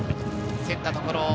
競ったところ。